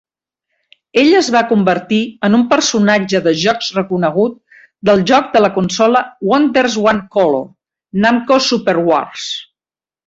Ell es va convertir en un personatge de jocs reconegut del joc de la consola Wonderswan Color "Namco Super Wars".